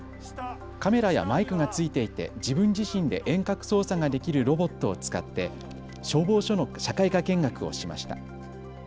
カメラやマイクが付いていて自分自身で遠隔操作ができるロボットを使って消防署の社会科見学をしました。